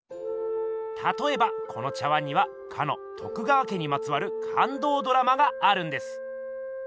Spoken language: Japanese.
たとえばこの茶碗にはかの徳川家にまつわる感動ドラマがあるんです。